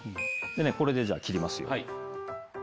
これでじゃあ切りますよ。